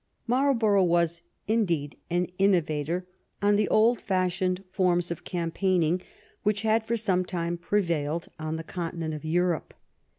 Marlborough was, indeed, an innovator on the old fashioned forms of campaigning which had for some time prevailed on the continent of Europe.